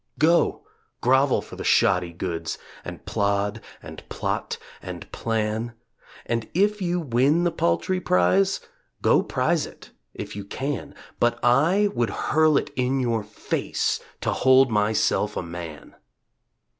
Go! grovel for the shoddy goods And plod and plot and plan, And if you win the paltry prize Go prize it if you can, But I would hurl it in your face To hold myself a man!